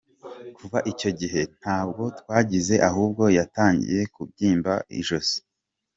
Kuva icyo gihe, ntabwo twakize ahubwo yatangiye kubyimba mu ijosi.